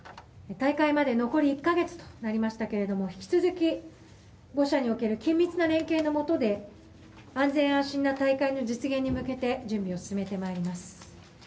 大会まで残り１か月となりましたが引き続き、５者における緊密な連携のもとで安全・安心な大会の実現に向けて準備を進めてまいります。